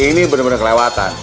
ini bener bener kelewatan